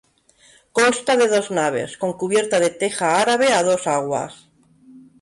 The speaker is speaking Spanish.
Consta de dos naves, con cubierta de teja árabe a dos aguas.